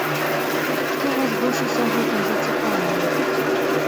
Што вас больш усяго там зацікавіла?